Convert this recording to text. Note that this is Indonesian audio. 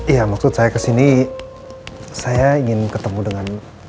iya maksud saya kesini saya ingin ketemu dengan